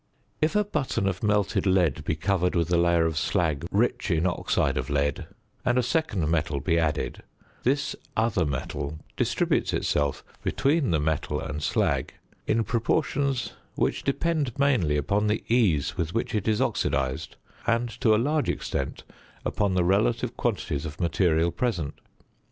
If a button of melted lead be covered with a layer of slag rich in oxide of lead, and a second metal be added, this other metal distributes itself between the metal and slag in proportions which depend mainly upon the ease with which it is oxidised, and to a large extent upon the relative quantities of material present.